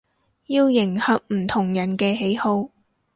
要迎合唔同人嘅喜好